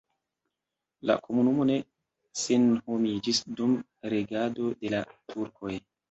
La komunumo ne senhomiĝis dum regado de la turkoj.